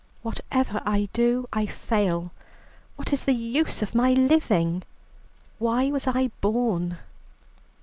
"Whatever I do, I fail; what is the use of my living? Why was I born?"